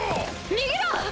逃げろ！